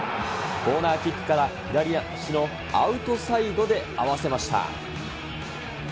コーナーキックから左足のアウトサイドで合わせました。